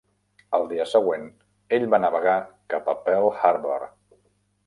Al dia següent ell va navegar cap a Pearl Harbor.